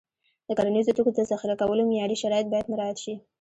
د کرنیزو توکو د ذخیره کولو معیاري شرایط باید مراعت شي.